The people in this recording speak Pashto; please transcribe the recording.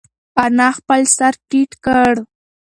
انا خپل سر ټیټ کړ.